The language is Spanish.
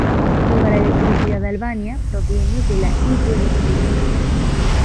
Toda la electricidad de Albania proviene de la hidroelectricidad.